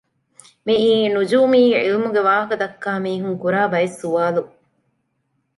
މިއީ ނުޖޫމީ ޢިލްމުގެ ވާހަކަ ދައްކާ މީހުން ކުރާ ބައެއް ސުވާލު